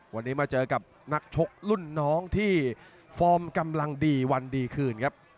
วันนี้มาเจอกับนักชกรุ่นน้องที่ฟอร์มกำลังดีวันดีคืนครับ